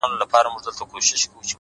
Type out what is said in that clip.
صبر د موخو ساتونکی دی؛